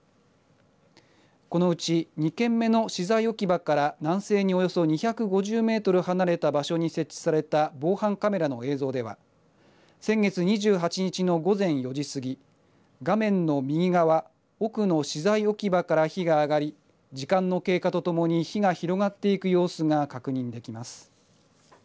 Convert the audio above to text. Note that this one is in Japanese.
このうち２件目の資材置き場から南西におよそ２５０メートル離れた場所に設置された防犯カメラの映像では先月２８日の午前４時過ぎ画面の右側奥の資材置き場から火が上がり時間の経過とともに火が広がっていく様子が確認できます。